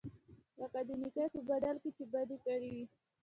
لکه د نېکۍ په بدل کې چې بدي کړې وي.